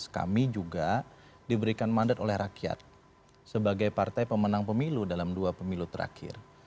kami juga diberikan mandat oleh rakyat sebagai partai pemenang pemilu dalam dua pemilu terakhir